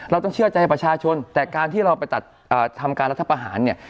เราต้องเชื่อใจประชาชนแต่การที่เราไปตัดทำการรัฐประหารเนี่ย